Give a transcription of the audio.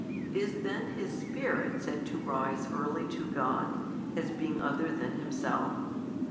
Is then his spirit said to rise early to God, as being other than himself?